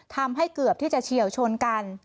ทำให้เกือบที่จะเฉียวชนกัน